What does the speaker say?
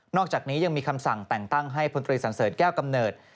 นอกจากนี้ยังมีคำสั่งแต่งตั้งให้พศแก้วกำเนิด